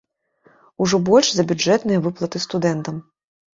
Ужо больш за бюджэтныя выплаты студэнтам.